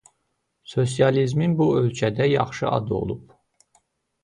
Sosializmin bu ölkədə yaxşı adı olub.